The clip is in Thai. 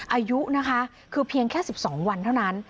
อายุนะคะคือเพียงแค่๑๒วันเท่านั้น